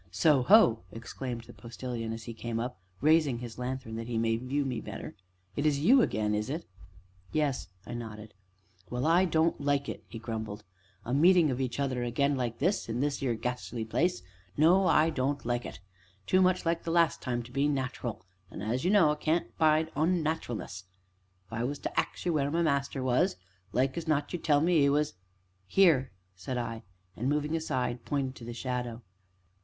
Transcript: "So ho!" exclaimed the Postilion as he came up, raising his lanthorn that he might view me the better; "it's you again, is it?" "Yes," I nodded. "Well, I don't like it," he grumbled, "a meeting of each other again like this, in this 'ere ghashly place no, I don't like it too much like last time to be nat'ral, and, as you know, I can't abide onnat'ralness. If I was to ax you where my master was, like as not you'd tell me 'e was " "Here!" said I, and, moving aside, pointed to the shadow.